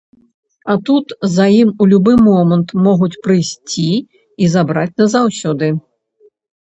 А тут, за ім у любы момант могуць прыйсці і забраць назаўсёды.